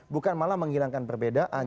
bukan malah menghilangkan perbedaan